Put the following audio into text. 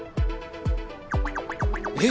え？